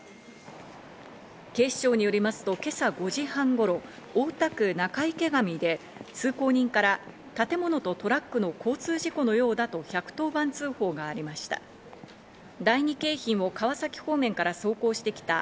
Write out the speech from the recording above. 警視庁によりますと今朝５時半頃、大田区仲池上で通行人から建物とトラックの交通事故のようだと１１０番通報がありました。